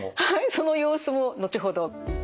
その様子も後ほど。